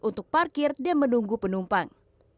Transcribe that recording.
untuk parkir dan menunggu penumpang